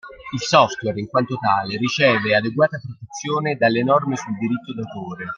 Il software, in quanto tale, riceve adeguata protezione dalle norme sul diritto d'autore.